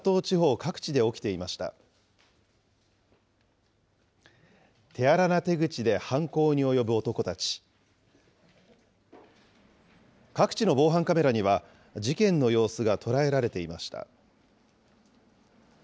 各地の防犯カメラには、事件の様子が捉えられていました。